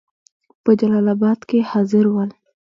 په جلال آباد کې حاضر ول.